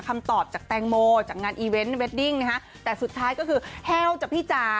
คำตอบจากแตงโมจากงานอีเวนต์เวดดิ้งนะคะแต่สุดท้ายก็คือแห้วจากพี่จ๋า